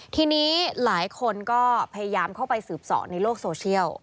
ทีนี้หลายคนก็พยายามเข้าไปสืบสอนในโลกโซเชียล